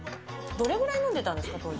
どれぐらい飲んでたんですか？